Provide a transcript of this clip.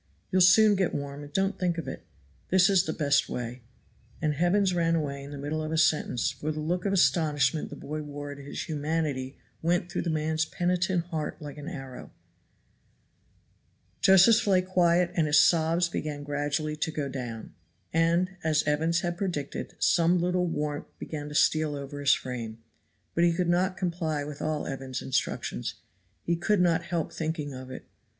You'll soon get warm, and don't think of it that is the best way;" and Evans ran away in the middle of a sentence, for the look of astonishment the boy wore at his humanity went through the man's penitent heart like an arrow. Josephs lay quiet and his sobs began gradually to go down, and, as Evans had predicted, some little warmth began to steal over his frame; but he could not comply with all Evans's instructions; he could not help thinking of it.